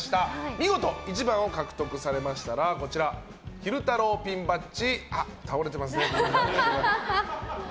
見事１番を獲得されましたら昼太郎ピンバッジ、倒れてますね。